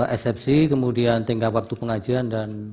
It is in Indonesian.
esepsi kemudian tinggal waktu pengajian dan